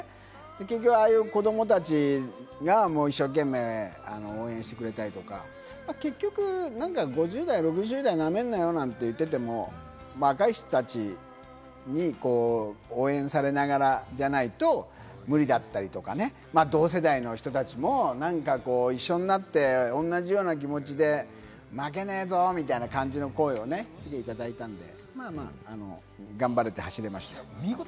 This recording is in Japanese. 結局ああいう子どもたちが一生懸命、応援してくれたりとか、結局、５０代、６０代、ナメんなよ！なんて言ってても、若い人たちに応援されながらじゃないと無理だったりとかね、同世代の人たちも一緒になって、同じような気持ちで、負けねぇぞみたいな感じの声をかけていただいたので、頑張れて走れました。